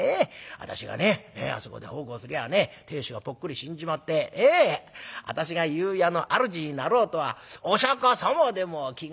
私がねあそこで奉公すりゃあね亭主がぽっくり死んじまって私が湯屋のあるじになろうとはお釈様でも気が付くめえと。